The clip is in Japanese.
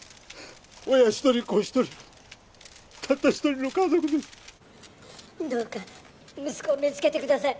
親一人子一人たった一人の家族ですどうか息子を見つけてください